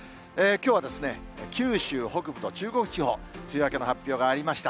きょうはですね、九州北部と中国地方、梅雨明けの発表がありました。